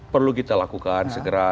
perlu kita lakukan segera